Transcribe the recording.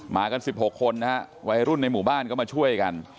มากัน๑๖คนนะฮะวัยรุ่นในหมู่บ้านก็มาช่วยกัน